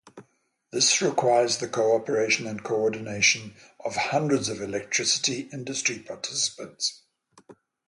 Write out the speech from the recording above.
This requires the cooperation and coordination of hundreds of electricity industry participants.